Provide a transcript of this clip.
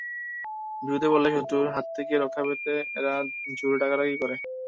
বিপদে পড়লে শত্রুর হাত থেকে রক্ষা পেতে এরা জোরে ডাকাডাকি করে।